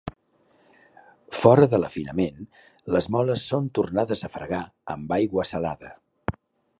Fora de l'afinament les moles són tornades a fregar amb aigua salada.